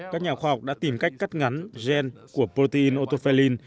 các nhà khoa học đã tìm cách cắt ngắn gen của protein autofelin